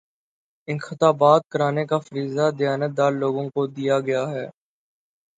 انتخابات کرانے کا فریضہ دیانتدار لوگوں کو دیا گیا ہے